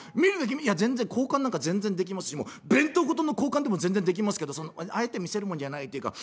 「いや交換なんか全然できますし弁当ごとの交換でも全然できますけどあえて見せるもんじゃないっていうか」。